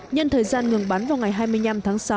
nhân thời gian ngừng bắn vào ngày hai mươi năm tháng sáu